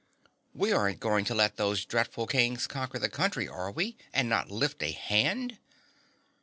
"We aren't going to let those dreadful Kings conquer the country, are we, and not lift a hand?"